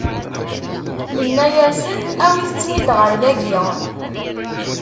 Inna-asen: Awit-ten-id ɣer dagi!